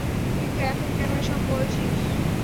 কিন্তু এখন কেন এসব বলছিস?